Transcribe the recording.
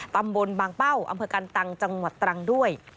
ตำบลบางเป้าอำเภอกันตังจังหวัดตรังด้วย